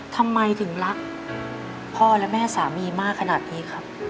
ทำไมถึงรักพ่อและแม่สามีมากขนาดนี้ครับ